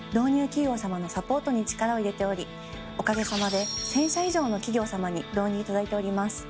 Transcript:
企業様のサポートに力を入れておりおかげさまで１０００社以上の企業様に導入いただいております。